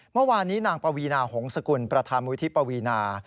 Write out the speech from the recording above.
เมื่อวานนี้นางปวีนาหงษกุลประธานมูลที่ปวีนา